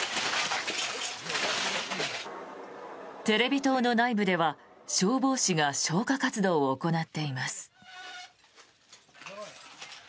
テレビ塔の内部では消防士が消火活動を行っています。